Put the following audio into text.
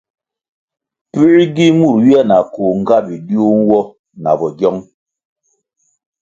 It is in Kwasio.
Puē gi mur ywia na koh nga bidiu nwo na bogyong?